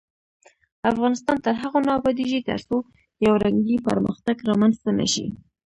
افغانستان تر هغو نه ابادیږي، ترڅو یو رنګی پرمختګ رامنځته نشي.